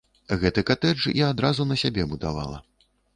Гэты катэдж я адразу на сябе будавала.